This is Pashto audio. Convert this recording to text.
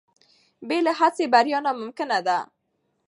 بې له هڅې بریا ناممکنه ده.